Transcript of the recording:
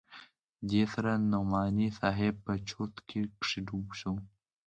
دې سره نعماني صاحب په چورت کښې ډوب سو.